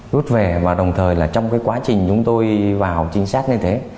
rút về và đồng thời trong quá trình chúng tôi vào trinh sát như thế